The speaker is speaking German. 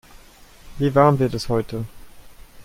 Wie warm wird es heute?